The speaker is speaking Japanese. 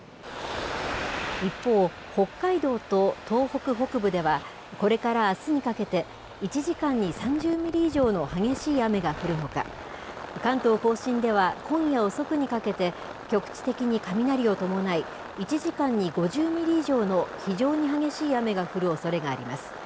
一方、北海道と東北北部では、これからあすにかけて、１時間に３０ミリ以上の激しい雨が降るほか、関東甲信では今夜遅くにかけて、局地的に雷を伴い、１時間に５０ミリ以上の非常に激しい雨が降るおそれがあります。